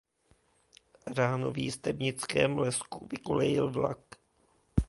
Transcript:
Ráno v jistebnickém lesku vykolejil vlak.